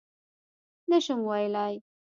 _نه شم ويلای.